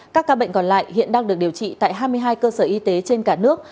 các ca bệnh còn lại hiện đang được điều trị tại hai mươi hai cơ sở y tế trên cả nước